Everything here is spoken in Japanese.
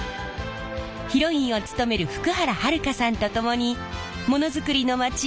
ヒロインを務める福原遥さんと共にモノづくりのまち